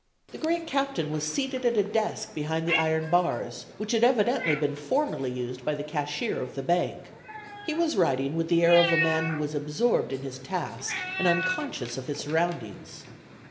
The great Captain was seated at a desk behind the iron bars, which had evidently been formerly used by the cashier of the bank. He was writing with the air of a man who was absorbed in his task and unconscious of his surroundings.